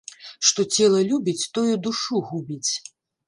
Што цела любіць, тое душу губіць